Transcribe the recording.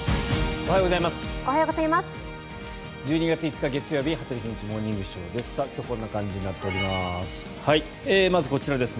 おはようございます。